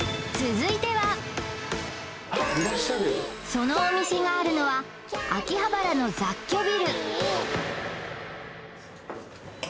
そのお店があるのは秋葉原の雑居ビル